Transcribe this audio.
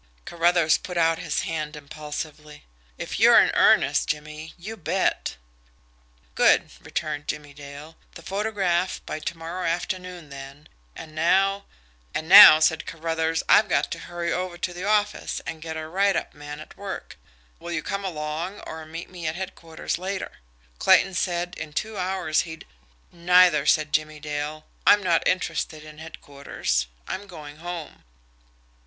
Carruthers put out his hand impulsively. "If you're in earnest, Jimmie you bet!" "Good!" returned Jimmie Dale. "The photograph by to morrow afternoon then. And now " "And now," said Caruthers, "I've got to hurry over to the office and get a write up man at work. Will you come along, or meet me at headquarters later? Clayton said in two hours he'd " "Neither," said Jimmie Dale. "I'm not interested in headquarters. I'm going home."